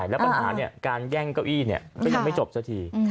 แล้วปัญหาการแย่งเก้าอี้ก็ยังไม่จบสักที